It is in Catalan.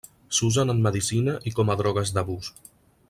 S'usen en medicina i com a drogues d'abús.